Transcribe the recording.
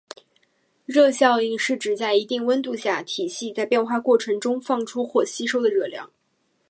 热效应是指在一定温度下，体系在变化过程中放出或吸收的热量。